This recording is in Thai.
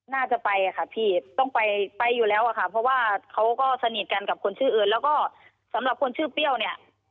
น่าจะไปอะค่ะพี่ต้องไปไปอยู่แล้วอะค่ะเพราะว่าเขาก็สนิทกันกับคนชื่ออื่นแล้วก็สำหรับคนชื่อเปรี้ยวเนี่ย